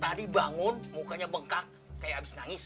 tadi bangun mukanya bengkak kayak habis nangis